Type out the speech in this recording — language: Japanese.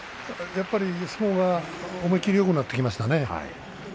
相撲が思い切りがよくなってきましたよね。